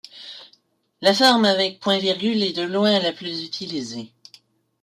La forme avec point virgule est de loin la plus utilisée.